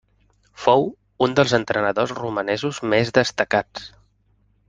Fou un dels entrenadors romanesos més destacats.